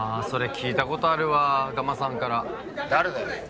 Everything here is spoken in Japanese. それ聞いたことあるわガマさんから誰だよ？